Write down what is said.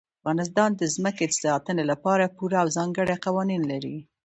افغانستان د ځمکه د ساتنې لپاره پوره او ځانګړي قوانین لري.